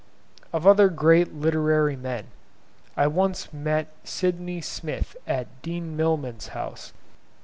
Of other great literary men, I once met Sydney Smith at Dean Milman's house.